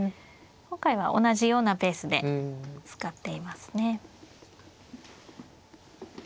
今回は同じようなペースで使っていますね。